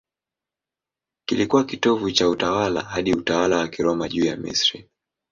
Kilikuwa kitovu cha utawala hadi utawala wa Kiroma juu ya Misri.